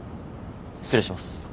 失礼します。